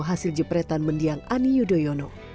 hasil jepretan mendiang ani yudhoyono